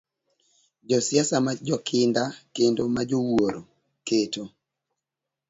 Josiasa ma jokinda kendo ma jowuoro, keto